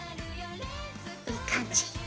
いい感じ。